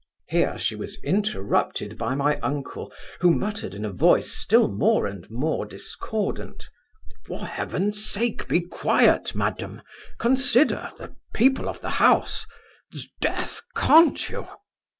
Here she was interrupted by my uncle, who muttered in a voice still more and more discordant, 'For Heaven's sake be quiet, madam consider the people of the house 'sdeath! can't you.